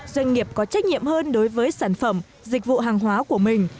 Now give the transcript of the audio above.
doanh nghiệp có trách nhiệm hơn đối với sản phẩm dịch vụ hàng hóa của mình